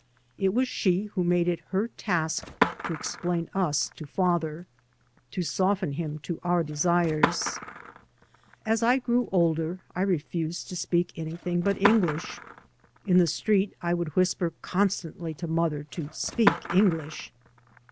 It was she who made it her task to explain us to father, to soften him to our desires. As I grew older I refused to speak anything but English. In the street I would whisper constantly to mother to speak English.